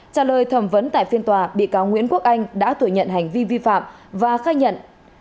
trả lời thẩm vấn tại phiên tòa bị cáo nguyễn quốc anh đã thừa nhận hành vi vi phạm và khai nhận